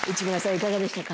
いかがでしたか？